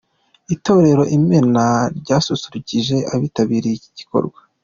Itorero Imena ryasusurukije abitabiriye iki gikorwa.